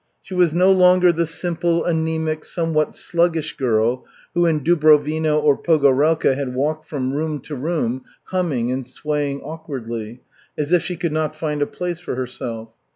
She was no longer the simple, anæmic, somewhat sluggish girl who in Dubrovino or Pogorelka had walked from room to room humming and swaying awkwardly, as if she could not find a place for herself.